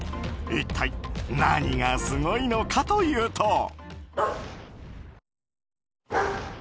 一体、何がすごいのかというと。